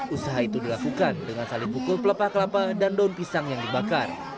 usaha itu dilakukan dengan saling pukul pelepah kelapa dan daun pisang yang dibakar